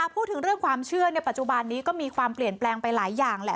พูดถึงเรื่องความเชื่อในปัจจุบันนี้ก็มีความเปลี่ยนแปลงไปหลายอย่างแหละ